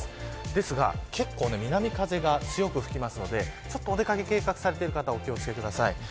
ですが、結構南風が強く吹くのでお出掛け計画されている方はお気を付けください。